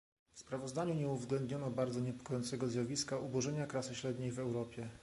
W sprawozdaniu nie uwzględniono bardzo niepokojącego zjawiska ubożenia klasy średniej w Europie